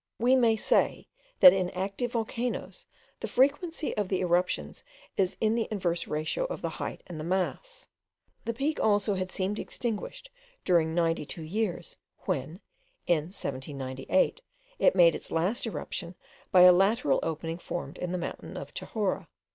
We may say, that in active volcanoes the frequency of the eruptions is in the inverse ratio of the height and the mass. The Peak also had seemed extinguished during ninety two years, when, in 1798, it made its last eruption by a lateral opening formed in the mountain of Chahorra.